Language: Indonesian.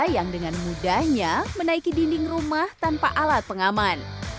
yang dengan mudahnya menaiki dinding rumah tanpa alat pengaman